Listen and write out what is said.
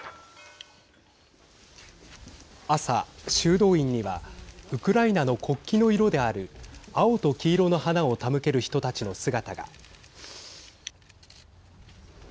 朝、修道院にはウクライナの国旗の色である青と黄色の花を手向ける人たちの姿が。